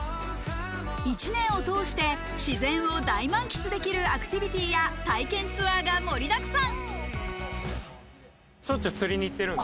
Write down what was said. １年を通して自然を大満喫できるアクティビティーや体験ツアーが盛りだくさん。